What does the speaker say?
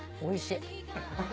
おいしい。